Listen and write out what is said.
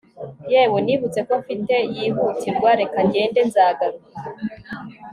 yewe nibutse ko mfite yihutirwa reka ngende nzagaruka